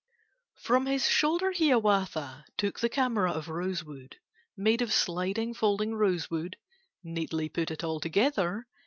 ] FROM his shoulder Hiawatha Took the camera of rosewood, Made of sliding, folding rosewood; Neatly put it all together.